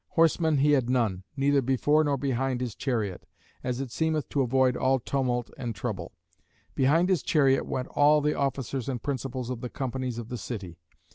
Horsemen he had none, neither before nor behind his chariot: as it seemeth, to avoid all tumult and trouble. Behind his chariot went all the officers and principals of the companies of the city.